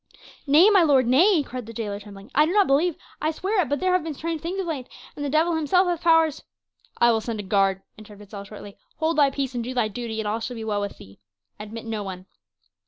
"Nay, my lord, nay," cried the jailer trembling. "I do not believe I swear it; but there have been strange things of late, and the devil himself hath powers " "I will send a guard," interrupted Saul shortly. "Hold thy peace and do thy duty, and all shall be well with thee. Admit no one."